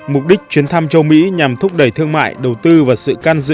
mục đích chuyến thăm châu mỹ nhằm thúc đẩy thương mại đầu tư và sự can dự